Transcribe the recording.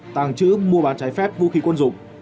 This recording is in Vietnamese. tàng trữ mua bán trái phép vũ khí quân dụng